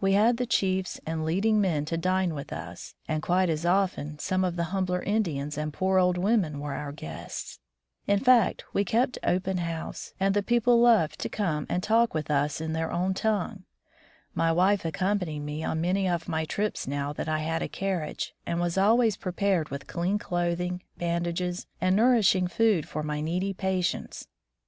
We had the chiefs and leading men to dine with us, and quite as often some of the humbler Indians and poor old women were our guests. In fact, we kept open house, and the people loved to come and 126 War vnth the Politicians talk with us in their own tongue. My wife accompanied me on many of my trips now that I had a carriage, and was always pre pared with clean clothing, bandages, and nourishing food for my needy patients.